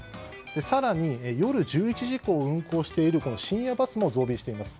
更に、夜１１時以降運行している深夜バスも増便しています。